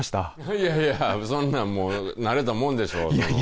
いやいやそんなん慣れたもんでしょ。